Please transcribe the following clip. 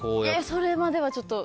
それまではちょっと。